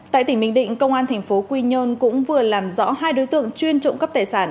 tại tỉnh bình định công an thành phố quy nhơn cũng vừa làm rõ hai đối tượng chuyên trộm cắp tài sản